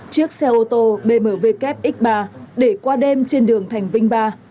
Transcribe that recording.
chiếc xe ô tô bmw x ba để qua đêm trên đường thành vinh ba